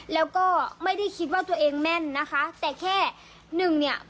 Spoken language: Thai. แล้วก็ไม่ได้คิดว่าตัวเองแม่นนะคะแต่แค่หนึ่งเนี่ย